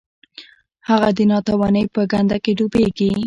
هغه د ناتوانۍ په کنده کې ډوبیږي.